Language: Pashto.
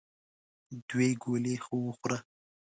دوې ګولې خو وخوره !